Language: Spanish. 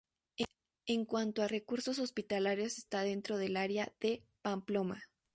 En cuanto a recursos hospitalarios está dentro del Área de Pamplona.